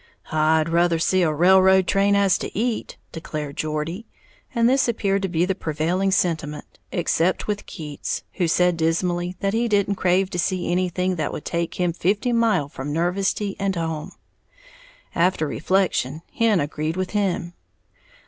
"I'd ruther see a railroad train as to eat!" declared Geordie, and this appeared to be the prevailing sentiment, except with Keats, who said dismally that he didn't crave to see anything that would take him fifty mile' from Nervesty and home. After reflection, Hen agreed with him.